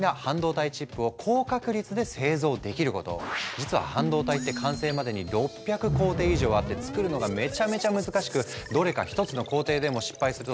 実は半導体って完成までに６００工程以上あって作るのがめちゃめちゃ難しくどれか一つの工程でも失敗するとダメなの。